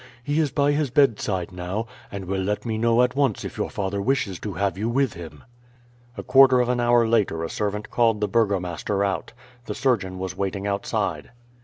He is by his bedside now, and will let me know at once if your father wishes to have you with him." A quarter of an hour later a servant called the burgomaster out. The surgeon was waiting outside.